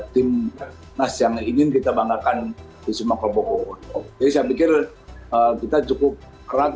timnas yang ingin kita banggakan di semua kelompok kelompok jadi saya pikir kita cukup erat